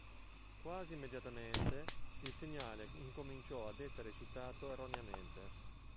Quasi immediatamente, il segnale incominciò ad essere citato erroneamente.